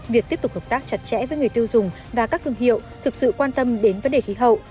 việc tiếp tục hợp tác chặt chẽ với người tiêu dùng và các thương hiệu thực sự quan tâm đến vấn đề khí hậu